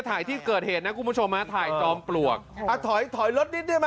ถอยรถนิดดีกว่าไง